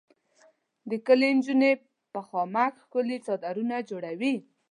د کلي انجونې په خامک ښکلي څادرونه جوړوي.